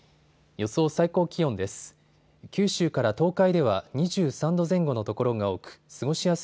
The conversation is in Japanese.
予想最高気温です。